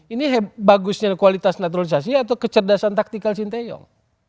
ini bagusnya kualitas naturalisasi atau kecerdasan taktikal sinteyong